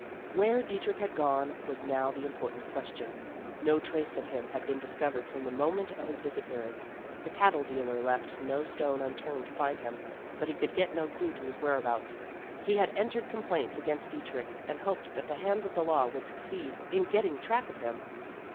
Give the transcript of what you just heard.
Where Dietrich had gone, was now the important question. No trace of him had been discovered from the moment of his disappearance. The cattle dealer left no stone unturned to find him, but he could get no clue to his whereabouts. He had entered complaints against Dietrich, and hoped that the hands of the law would succeed in getting track of him.